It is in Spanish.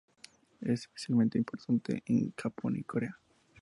Es especialmente importante en Japón y en Corea.